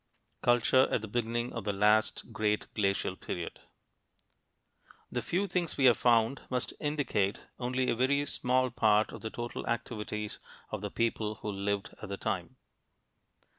CULTURE AT THE BEGINNING OF THE LAST GREAT GLACIAL PERIOD The few things we have found must indicate only a very small part of the total activities of the people who lived at the time.